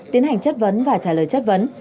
tiến hành chất vấn và trả lời chất vấn